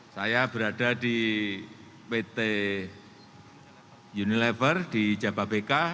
saya berada di pt unilever di jababeka